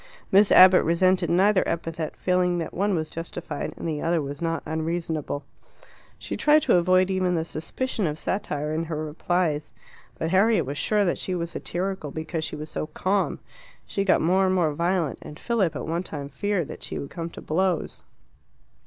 Miss Abbott resented neither epithet, feeling that one was justified and the other not unreasonable. She tried to avoid even the suspicion of satire in her replies. But Harriet was sure that she was satirical because she was so calm. She got more and more violent, and Philip at one time feared that she would come to blows.